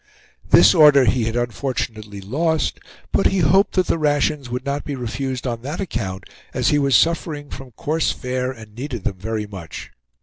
This order he had unfortunately lost, but he hoped that the rations would not be refused on that account, as he was suffering from coarse fare and needed them very much.